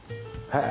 はい。